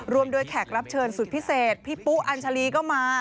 รวมด้วยแขกรับเชิญสุดพิเศษพี่ปุ๊อัญชาลีก็มา